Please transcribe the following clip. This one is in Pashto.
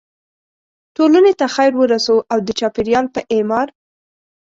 ټولنې ته خیر ورسوو او د چاپیریال په اعمار.